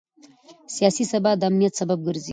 سیاسي ثبات د امنیت سبب ګرځي